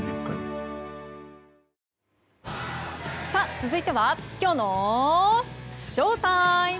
続いてはきょうのＳＨＯＴＩＭＥ！